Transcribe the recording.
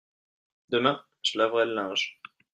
demain je laverai le linge.